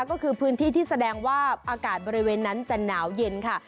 ก็คือพื้นที่ที่แสดงว่าอากาศบริเวณนั้นจะหนาวเย็นค่ะ